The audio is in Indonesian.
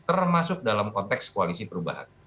termasuk dalam konteks koalisi perubahan